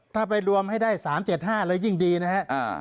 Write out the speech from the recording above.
ถ้าไปรวมให้ได้๓๗๕เลยยิ่งดีนะครับ